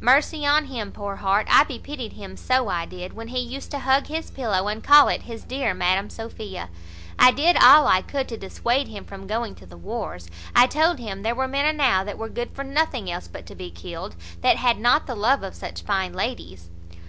Mercy on him, poor heart! I bepitied him, so I did, when he used to hug his pillow, and call it his dear Madam Sophia. I did all I could to dissuade him from going to the wars: I told him there were men enow that were good for nothing else but to be killed, that had not the love of such fine ladies."